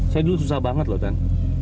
saya dulu susah banget loh kan